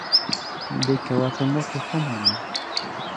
دەی کەواتە موڵکی خۆمانن